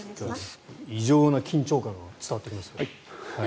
異常な緊張感が伝わってきます。